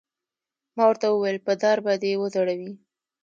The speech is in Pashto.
ما ورته وویل: په دار به دې وځړوي.